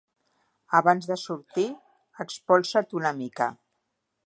Abans de sortir, espolsa't una mica.